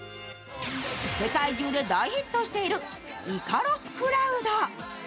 世界中で大ヒットしているイカロスクラウド。